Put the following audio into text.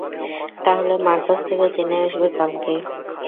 তাহলে মার কাছ থেকে জেনে আসবে কালকে।